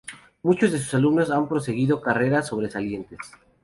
Muchos de sus alumnos han proseguido carreras sobresalientes.